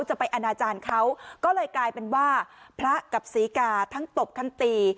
ไปอนาจารย์เขาก็เลยกลายเป็นว่าพระกับศรีกาทั้งตบทั้งตี